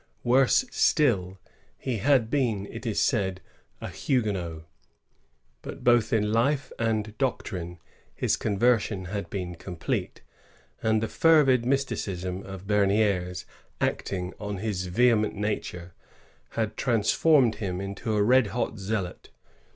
Worse still, he had been, it is said, a Huguenot ; but both in life and doctrine his conver sion had been complete, and the fervid mysticism of Bemidres acting on his vehement nature had trans formed him into a red hot zealot.